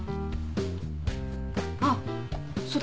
あっそうだ。